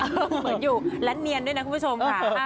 เหมือนอยู่และเนียนด้วยนะคุณผู้ชมค่ะ